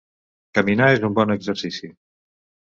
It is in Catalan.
Caminar és un bon exercici.